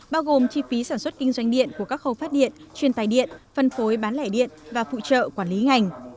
bao gồm chi phí sản xuất kinh doanh điện của các khâu phát điện chuyên tài điện phân phối bán lẻ điện và phụ trợ quản lý ngành